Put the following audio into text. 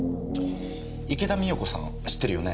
池田美代子さん知ってるよね？